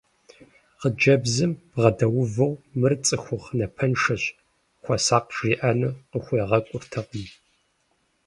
Хъыджэбзым бгъэдэувэу мыр цӏыхухъу напэншэщ, хуэсакъ жриӏэну къыхуегъэкӏуртэкъым…